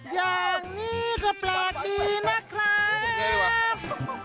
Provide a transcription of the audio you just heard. อย่างนี้ก็แปลกดีนะครับ